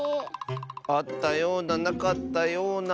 あったようななかったような。